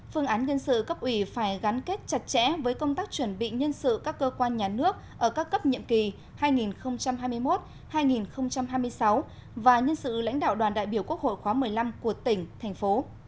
phương án nhân sự cấp ủy phải gắn kết chặt chẽ với công tác chuẩn bị nhân sự các cơ quan nhà nước ở các cấp nhiệm kỳ hai nghìn hai mươi một hai nghìn hai mươi sáu và nhân sự lãnh đạo đoàn đại biểu quốc hội khóa một mươi năm của tỉnh thành phố